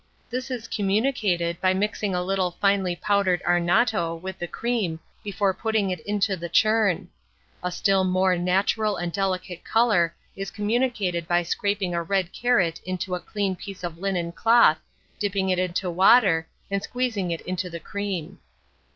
This is communicated by mixing a little finely powdered arnotto with the cream before putting it into the churn; a still more, natural and delicate colour is communicated by scraping a red carrot into a clean piece of linen cloth, dipping it into water, and squeezing it into the cream.